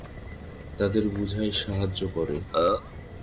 তাদের বুঝায় সাহায্য করে।